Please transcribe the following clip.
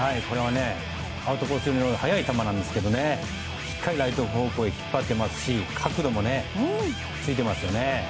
これはアウトコースよりの速い球なんですけどしっかりとライト方向へ引っ張っていますし角度もついてますよね。